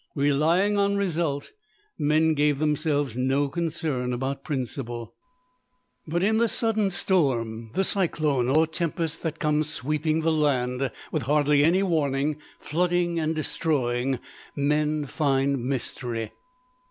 Relying on result, men gave themselves no concern about principle. But in the sudden storm, the cyclone or tempest that comes sweeping the land with hardly any warning, flooding and destroying, men find mystery.